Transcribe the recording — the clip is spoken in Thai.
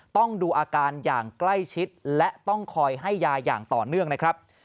ต้องดูอาการอย่างใกล้ชิดและต้องคอยให้ยาอย่างต่อเนื่องนะครับ